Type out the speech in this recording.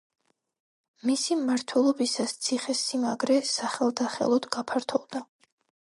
მისი მმართველობისას ციხესიმაგრე სახელდახელოდ გაფართოვდა.